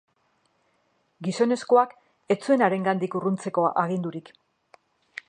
Gizonezkoak ez zuen harengandik urruntzeko agindurik.